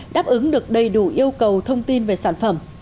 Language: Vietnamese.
đáp ứng được đầy đủ yêu cầu thông tin về sản phẩm